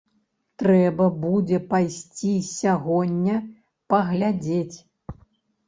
Трэба будзе пайсці сягоння паглядзець.